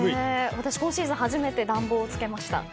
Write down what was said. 私、今シーズン初めて暖房つけました。